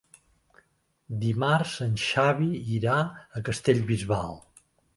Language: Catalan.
Dimarts en Xavi irà a Castellbisbal.